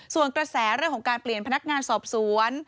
ส่วนกระแสเรื่องของการเปลี่ยนพนักงานสอบสวน